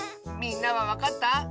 みんなはわかった？